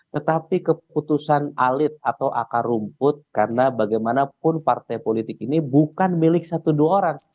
tetapi keputusan alit atau akar rumput karena bagaimanapun partai politik ini bukan milik satu dua orang